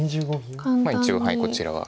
一応こちらは。